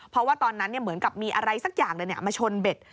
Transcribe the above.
เพราะว่าตอนนั้นเหมือนกับมีอะไรสักอย่างเลยมาชนเบ็ด